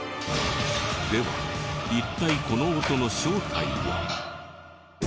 では一体この音の正体は。